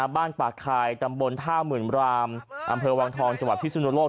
บ้านปากคายตำบลท่าหมื่นรามอำเภอวังทองจังหวัดพิสุนโลก